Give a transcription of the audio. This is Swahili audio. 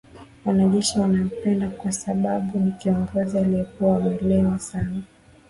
Wanajeshi wanampenda kwasababu ni kiongozi aliyekuwa mwelewa sana